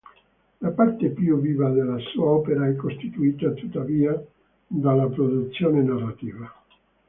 La parte più viva della sua opera è costituita tuttavia dalla produzione narrativa.